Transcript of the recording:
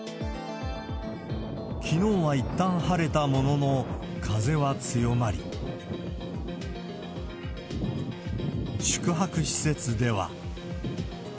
きのうはいったん晴れたものの、風は強まり、宿泊施設では。